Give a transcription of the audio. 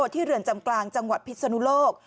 เรือนจำกลางจังหวัดพิศนุโลก